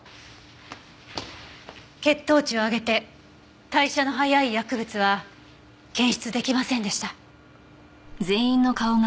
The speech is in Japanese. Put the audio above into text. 血糖値を上げて代謝の早い薬物は検出出来ませんでした。